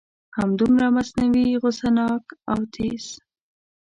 همدومره مصنوعي غصه ناک او تیز و.